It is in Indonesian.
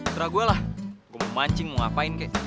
setera gue lah gue mau mancing mau ngapain kek